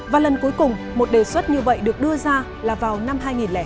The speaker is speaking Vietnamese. và lần cuối cùng một đề xuất như vậy được đưa ra là vào năm hai nghìn chín